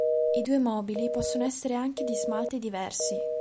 I due "mobili" possono essere anche di smalti diversi.